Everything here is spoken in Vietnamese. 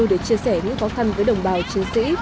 để chia sẻ những khó khăn với đồng bào chiến sĩ